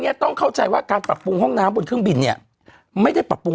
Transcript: ต้องเข้าใจว่าการปรับปรุงห้องน้ำบนเครื่องบินเนี่ยไม่ได้ปรับปรุง